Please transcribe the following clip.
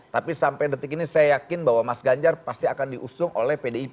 tapi sampai detik ini saya yakin bahwa mas ganjar pasti akan diusung oleh pdip